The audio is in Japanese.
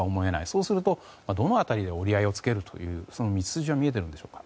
そうすると、どの辺りで折り合いをつけるというその道筋は見えているんでしょうか。